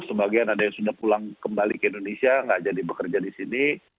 sebagian ada yang sudah pulang kembali ke indonesia tidak jadi bekerja di sini